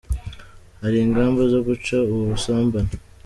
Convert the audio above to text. Hari ingamba zo guca ubu busumbane.